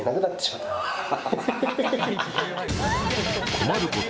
困ること